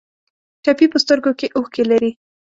ټپي په سترګو کې اوښکې لري.